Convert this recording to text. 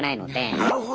なるほど。